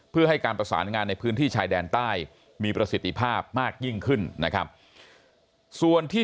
เพื่อให้การประสานงานในพื้นที่ชายแดนใต้มีประสิทธิภาพมากยิ่งขึ้นนะครับส่วนที่